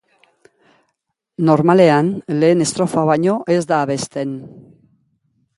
Normalean, lehen estrofa baino ez da abesten.